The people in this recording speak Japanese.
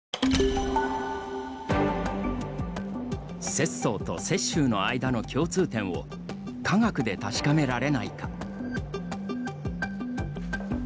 拙宗と雪舟の間の共通点を科学で確かめられないか。